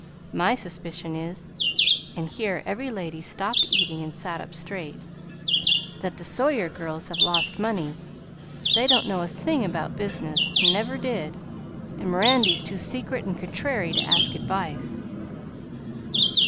My suspicion is" and here every lady stopped eating and sat up straight "that the Sawyer girls have lost money. They don't know a thing about business 'n' never did, and Mirandy's too secretive and contrairy to ask advice."